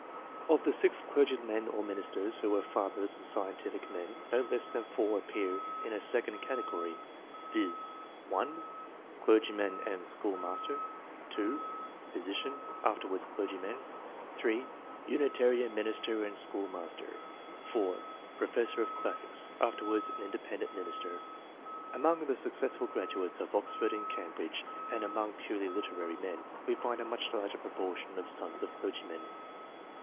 Of the 6 clergymen or ministers who were fathers of scientific men, no less than 4 ap pear in a second category, viz., (1) clergyman and schoolmaster ; (2) physician, afterwards clergyman; (3) Unitarian minister and school master; (4) professor of classics, afterwards an Independent minister. Among the successful graduates of Oxford and Cambridge, and among purely literary men, we find a much larger proportion of sons of clergymen.